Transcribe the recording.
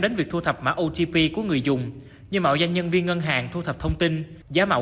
đến việc thu thập mã otp của người dùng như mạo danh nhân viên ngân hàng thu thập thông tin giá mạo